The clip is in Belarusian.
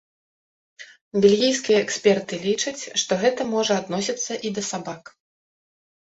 Бельгійскія эксперты лічаць, што гэта можа адносіцца і да сабак.